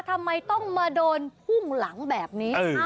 ทำไมต้องมาโดนพุ่งหลังแบบนี้